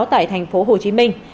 tại thành phố hồ chí minh